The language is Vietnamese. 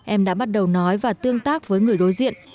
em đã bắt đầu nói và tương tác với người đối diện